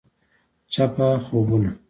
چپه خوبونه …